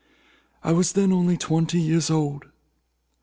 I was then only twenty years old.